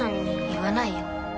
言わないよ。